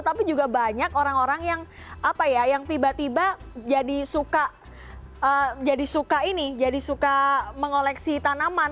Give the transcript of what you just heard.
tapi juga banyak orang orang yang apa ya yang tiba tiba jadi suka mengoleksi tanaman